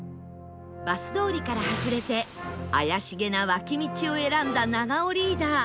バス通りから外れて怪しげな脇道を選んだ長尾リーダー